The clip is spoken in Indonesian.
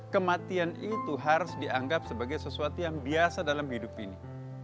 kematian itu harus dianggap sebagai sesuatu yang biasa dalam hidup ini